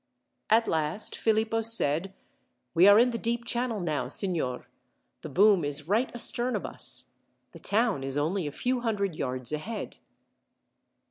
At last Philippo said: "We are in the deep channel now, signor. The boom is right astern of us. The town is only a few hundred yards ahead."